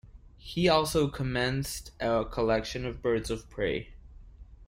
He also commenced a collection of birds of prey.